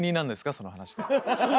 その話して。